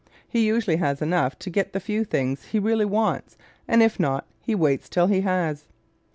He usually has enough to get the few things he really wants and if not he waits till he has.